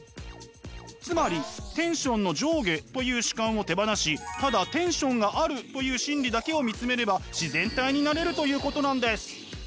つまりテンションの上下という主観を手放しただテンションがあるという真理だけを見つめれば自然体になれるということなんです。